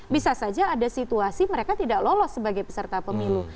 bisa saja ada situasi mereka tidak lolos sebagai peserta pemilu